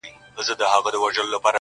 په خبر سو معامیلې دي نوري نوري.